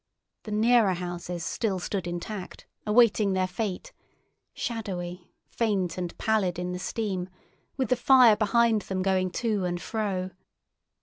The nearer houses still stood intact, awaiting their fate, shadowy, faint and pallid in the steam, with the fire behind them going to and fro.